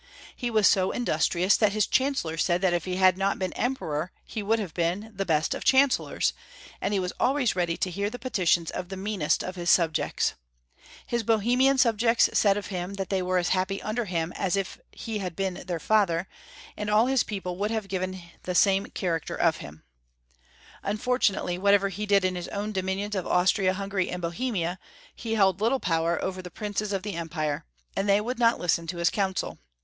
He was so industrious that his chancellor said that if he had not been Emperor he would have been the best of chancellors, and he was always ready to hear the petitions of the meanest of his subjects. His Bohe mian subjects said of him that they were as happy under him as if he had been their father, and all his people would have given the same character of him. 306 Maximilian II. 807 Unfortunately, whatever he did in his own dominions of Austria, Hungary, and Bohemia, he held little power over the princes of the Empire, and they would not listen to his counsel.